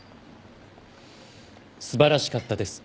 素晴らしかったです。